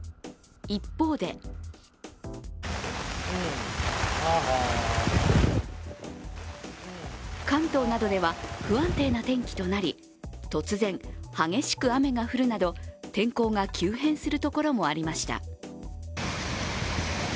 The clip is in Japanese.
一方で関東などでは不安定な天気となり突然激しく雨が降るなど、天候が急変するところもありました。